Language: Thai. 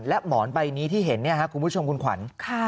และหมอนใบนี้ที่เห็นเนี่ยครับคุณผู้ชมคุณขวัญ